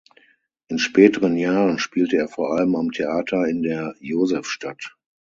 In späteren Jahren spielte er vor allem am Theater in der Josefstadt.